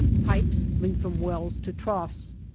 Pipes lead from wells to troughs.